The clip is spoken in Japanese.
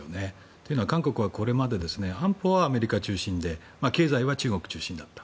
というのは、韓国はこれまで安保はアメリカ中心で経済は中国中心だった。